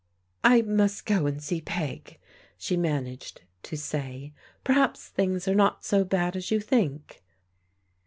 " I must go and see Peg," she managed to say. " Perhaps things are not so bad as you think."